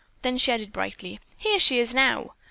Then she added brightly: "Here she is now."